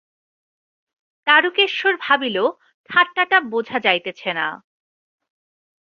দারুকেশ্বর ভাবিল, ঠাট্টাটা বোঝা যাইতেছে না।